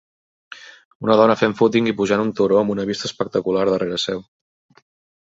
Una dona fent fúting i pujant un turó amb una vista espectacular darrera seu